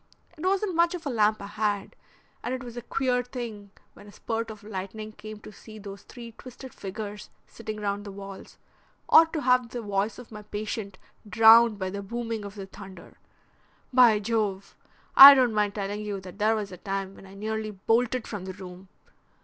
It wasn't much of a lamp I had, and it was a queer thing when a spurt of lightning came to see those three twisted figures sitting round the walls, or to have the voice of my patient drowned by the booming of the thunder. By Jove! I don't mind telling you that there was a time when I nearly bolted from the room.